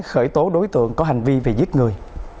khởi tố đối tượng có hành vi về giết người